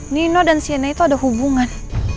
nino dan siana itu ada hubungan